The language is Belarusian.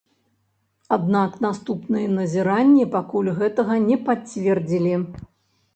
Аднак наступныя назіранні пакуль гэтага не пацвердзілі.